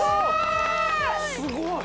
すごい！